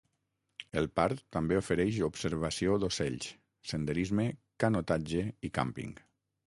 El part també ofereix observació d'ocells, senderisme, canotatge i càmping.